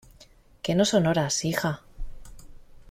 que no son horas, hija.